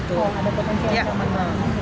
oh ada potensi ancaman